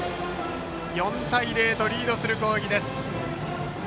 ４対０とリードする攻撃です。